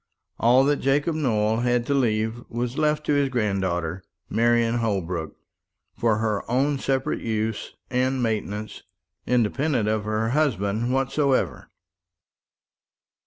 All that Jacob Nowell had to leave was left to his granddaughter, Marian Holbrook, for her own separate use and maintenance, independent of any husband whatsoever.